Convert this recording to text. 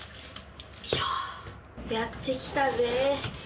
やって来たぜ。